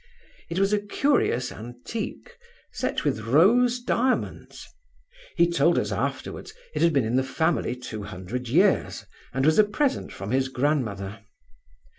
It was a curious antique, set with rose diamonds: he told us afterwards, it had been in the family two hundred years and was a present from his grand mother.